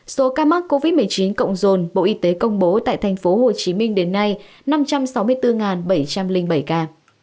số ca mắc covid một mươi chín cộng dồn bộ y tế công bố tại tp hcm đến nay năm trăm sáu mươi bốn bảy trăm linh bảy ca